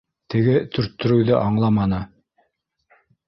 Теге төрттөрөүҙе аңламаны: